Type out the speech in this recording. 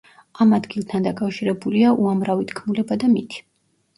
ამ ადგილთან დაკავშირებულია უამრავი თქმულება და მითი.